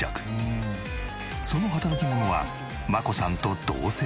その働き者は真子さんと同世代。